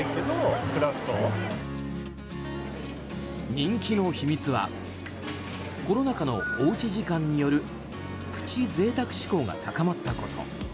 人気の秘密はコロナのおうち時間によるプチ贅沢志向が高まったこと。